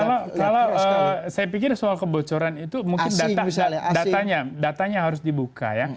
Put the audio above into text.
kalau saya pikir soal kebocoran itu mungkin datanya datanya harus dibuka ya